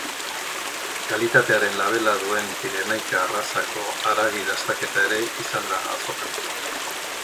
Kalitatearen labela duen pirenaika arrazako haragi dastaketa ere izan da azokan.